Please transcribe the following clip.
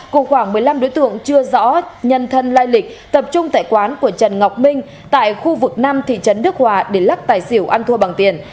cụ khoảng một mươi năm đối tượng chưa rõ nhân thân lai lịch tập trung tại quán của trần ngọc minh tại khu vực năm thị trấn đức hòa để lắc tài xỉu ăn thua bằng tiền